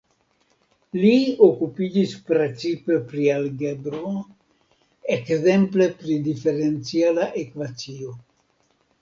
Li okupiĝis precipe pri algebro, ekzemple pri diferenciala ekvacio.